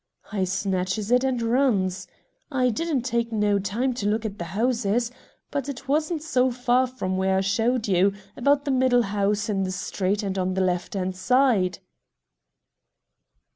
I snatches it, and runs. I didn't take no time to look at the houses. But it wasn't so far from where I showed you; about the middle house in the street and on the left 'and side."